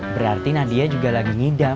berarti nadia juga lagi ngidam